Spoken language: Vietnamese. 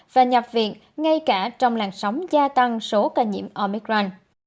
và nhập viện ngay cả trong làn sóng gia tăng số ca nhiễm omicran